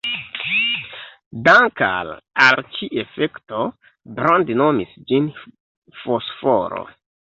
Dank'al al ĉi-efekto, Brand nomis ĝin fosforo.